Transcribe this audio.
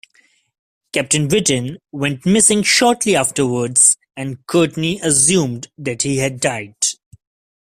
Captain Britain went missing shortly afterwards and Courtney assumed that he had died.